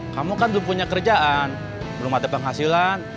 kamu kan belum punya kerjaan belum ada penghasilan